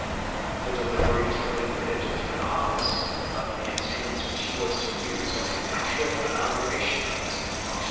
The delivery, to one admitted to an office, of the instruments which he was to use was a natural inaugura 1 Bracarense i. [al. n.